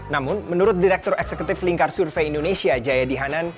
namun menurut direktur eksekutif lingkar survei indonesia jaya dihanan